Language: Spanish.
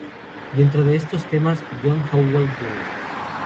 Dentro de esos temas, John Howlett, Jr.